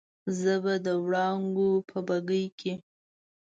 زه به د وړانګو په بګۍ کې